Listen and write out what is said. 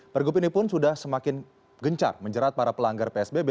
pergub ini pun sudah semakin gencar menjerat para pelanggar psbb